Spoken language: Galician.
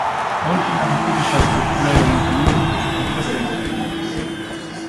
A última refírese á estrutura e ao mantemento, que se conserve en pé.